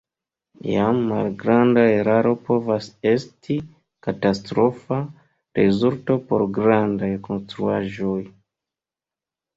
Jam malgranda eraro povas esti katastrofa rezulto por grandaj konstruaĵoj.